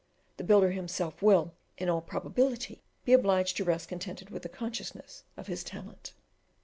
The builder himself will, in all probability, be obliged to rest contented with the consciousness of his talent.